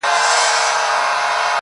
پښتونخوا له درانه خوبه را پاڅیږي؛